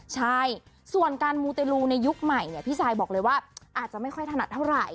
ใช่ส่วนการมูเตลูในยุคใหม่เนี่ยพี่ซายบอกเลยว่าอาจจะไม่ค่อยถนัดเท่าไหร่